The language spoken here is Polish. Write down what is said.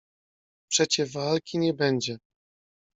"Przecie walki nie będzie!"